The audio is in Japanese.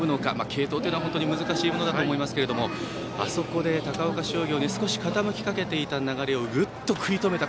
継投というのは本当に難しいものだと思いますがあそこで高岡商業に少し傾きかけていた流れをぐっと食い止めた。